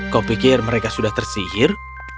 kau pikir mereka sudah tersihir